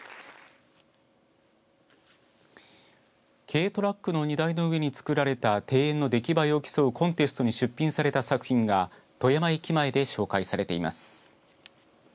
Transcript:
軽トラックの荷台の上に作られた庭園の出来栄えを競うコンテストに出品された作品が富山駅前で紹介されています。